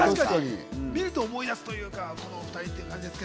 見ると思い出すというか、このお２人って感じです。